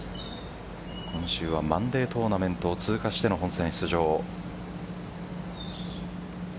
今週はマンデートーナメントを通過しての本戦出場。